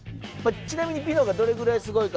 ちなみにピノがどれぐらいすごいか。